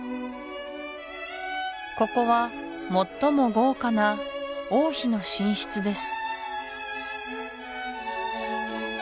ここは最も豪華な王妃の寝室です